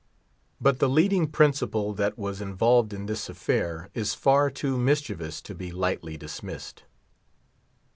But the leading principle that was involved in this affair is far too mischievous to be lightly dismissed.